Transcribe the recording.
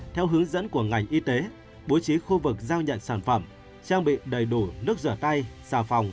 theo hướng dẫn của ngành y tế bố trí khu vực giao nhận sản phẩm trang bị đầy đủ nước rửa tay xà phòng